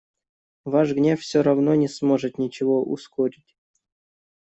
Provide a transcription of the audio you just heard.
Ваш гнев всё равно не сможет ничего ускорить.